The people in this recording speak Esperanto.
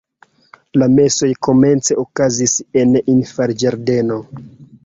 La mesoj komence okazis en infanĝardeno.